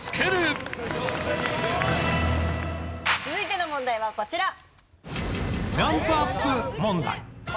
続いての問題はこちら。